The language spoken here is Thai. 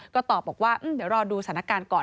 ก็ตอบบอกว่าเดี๋ยวรอดูสถานการณ์ก่อน